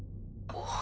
あっ。